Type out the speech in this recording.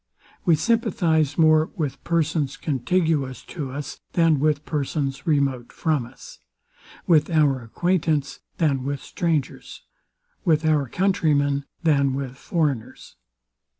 We sympathize more with persons contiguous to us, than with persons remote from us: With our acquaintance, than with strangers: With our countrymen, than with foreigners.